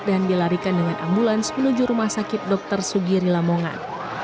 dilarikan dengan ambulans menuju rumah sakit dr sugiri lamongan